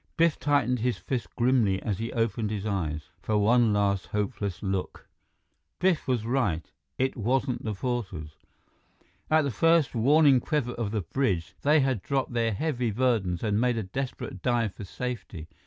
Biff tightened his fists grimly as he opened his eyes for one last hopeless look. Biff was right: It wasn't the porters. At the first warning quiver of the bridge, they had dropped their heavy burdens and made a desperate dive for safety.